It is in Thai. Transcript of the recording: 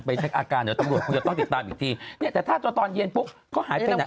เช็คอาการเดี๋ยวตำรวจคงจะต้องติดตามอีกทีเนี่ยแต่ถ้าจะตอนเย็นปุ๊บเขาหายไปไหน